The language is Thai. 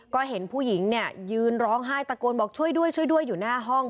ก็เห็นผู้หญิงยืนร้องไห้ตะโกนบอกช่วยด้วยอยู่หน้าห้อง